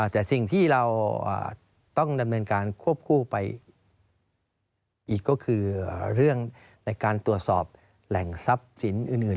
แต่สิ่งที่เราต้องดำเนินการควบคู่ไปอีกก็คือเรื่องในการตรวจสอบแหล่งทรัพย์สินอื่น